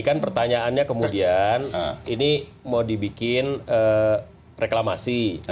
kan pertanyaannya kemudian ini mau dibikin reklamasi